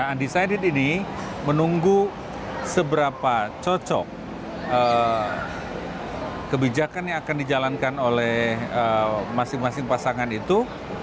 undecided ini menunggu seberapa cocok kebijakan yang akan dijalankan oleh masing masing pasangan itu